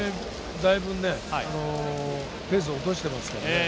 だいぶペースを落としていますからね。